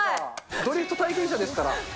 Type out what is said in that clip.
ドリフト体験者ですから。